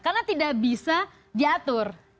karena tidak bisa diatur